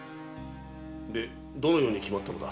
でどのように決まったのだ？